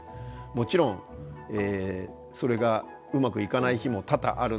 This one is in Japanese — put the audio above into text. もちろんそれがうまくいかない日も多々あるんですが